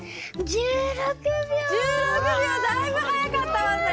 １６秒だいぶはやかったわね。